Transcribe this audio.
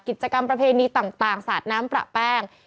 กิจกรรมประเพณีต่างสาดน้ำประแป้ง